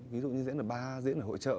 ví dụ như diễn ở bar diễn ở hội trợ